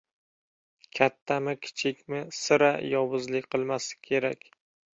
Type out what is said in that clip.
Kattami, kichikmi, sira yovuzlik qilmaslik kerak.